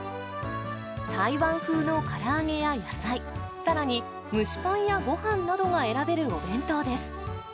台湾風のから揚げや野菜、さらに蒸しパンやごはんなどが選べるお弁当です。